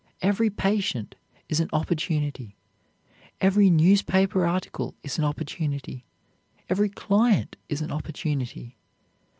Every patient is an opportunity. Every newspaper article is an opportunity. Every client is an opportunity.